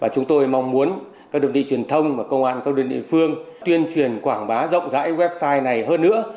chúng tôi mong muốn các đơn vị truyền thông và công an các đơn địa phương tuyên truyền quảng bá rộng rãi website này hơn nữa